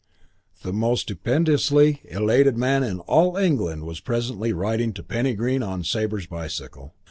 VIII The most stupendously elated man in all England was presently riding to Penny Green on Sabre's bicycle.